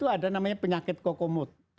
ada namanya penyakit koko mut